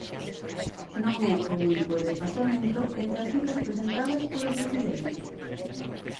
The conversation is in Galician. Non é o único desfasamento entre as cifras presentadas polo presidente.